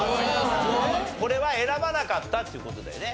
これは選ばなかったっていう事だよね？